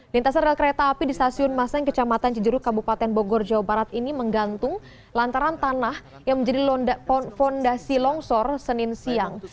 lintasan rel kereta api di stasiun maseng kecamatan cijeruk kabupaten bogor jawa barat ini menggantung lantaran tanah yang menjadi fondasi longsor senin siang